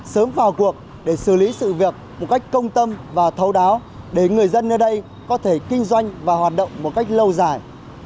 sớm vào cuộc để xử lý sự việc một cách công tâm và thấu đáo để người dân nơi đây có thể kinh doanh và hoạt động một cách lâu dài